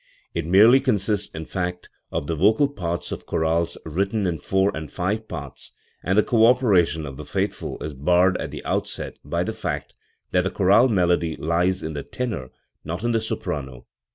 It merely consists, in fact, of the vocal parts of chorales written in four and five parts, and the co Speration of the faithful is barred at the outset by the fact that the chorale melody lies in the tenor, not in the soprano.